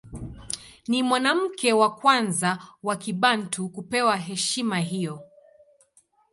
Ni mwanamke wa kwanza wa Kibantu kupewa heshima hiyo.